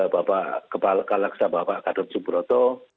bapak kepala kalaksa bapak katot subroto